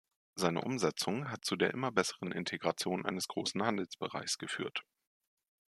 Seine Umsetzung hat zu der immer besseren Integration eines großen Handelsbereichs geführt.